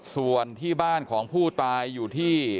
ส่วนที่บ้านของผู้ตายอยู่ที่